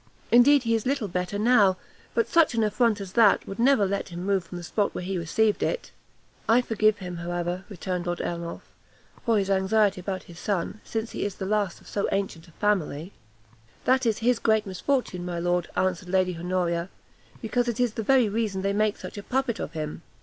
indeed he is little better now, but such an affront as that would never let him move from the spot where he received it." "I forgive him, however," returned Lord Ernolf, "for his anxiety about his son, since he is the last of so ancient a family." "That is his great misfortune, my lord," answered Lady Honoria, "because it is the very reason they make such a puppet of him.